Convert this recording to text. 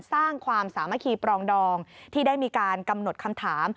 สร้างความสามัคคีปรองดองที่ได้มีการกำหนดคำถาม